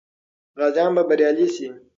غازیان به بریالي سي.